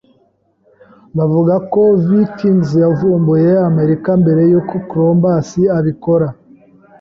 Bavuga ko Vikings yavumbuye Amerika mbere yuko Columbus abikora.